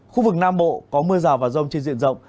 khu vực nam bộ có mưa rào và rông trên diện rộng